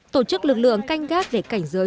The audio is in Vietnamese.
tổ chức lực lượng canh gác để cảnh giới